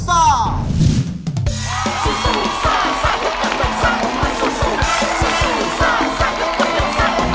ซ่าซ่ายกกำลังซ่ายกกำลังซ่า